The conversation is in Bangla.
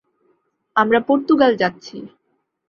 আমরা পর্তুগাল যাচ্ছি!